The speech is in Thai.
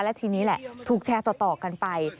และทีนี้แหละถูกแชร์ต่อกันไป